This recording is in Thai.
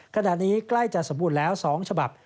ขณะนี้ใกล้จะสมบูรณ์แล้ว๒ฉบับ